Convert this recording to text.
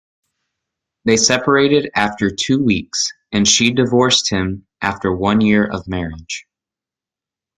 They separated after two weeks, and she divorced him after one year of marriage.